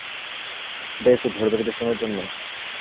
এটা একটু ধরবে কিছু সময়ের জন্য?